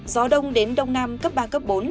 gió đông đến đông nam cấp bốn cấp năm